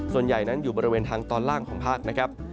ส่วนใหญ่นั้นอยู่บริเวณทางตอนล่างของภาคนะครับ